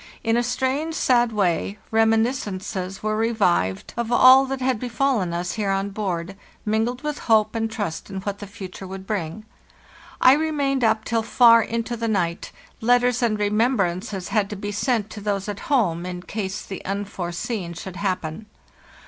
In a strange, sad way, reminiscences were revived of all that had befallen us here on board, mingled with hope and trust in what the future would bring. I remained up till far into the night; letters and remembrances had to be sent to those at home, in case the unforeseen should hap pen.